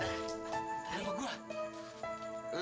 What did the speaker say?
ini pak gue